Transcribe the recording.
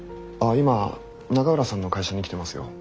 今永浦さんの会社に来てますよ。